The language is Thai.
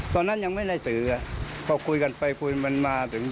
ตอนนั้นยังไม่ได้ตือพอคุยกันไปคุยมันมาถึง